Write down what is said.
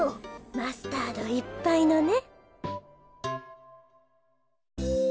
マスタードいっぱいのね。